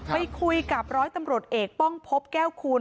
ไปคุยกับร้อยตำรวจเอกป้องพบแก้วคูณ